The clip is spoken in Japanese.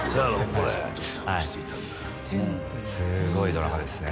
これはいすごいドラマですね